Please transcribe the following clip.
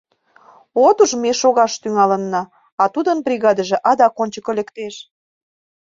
От уж, ме шогаш тӱҥалына, а тудын бригадыже адак ончыко лектеш.